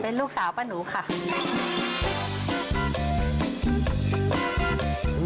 เป็นลูกสาวป้าหนูค่ะ